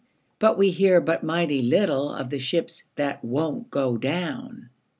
But we hear but mighty little Of the ships that won't go down.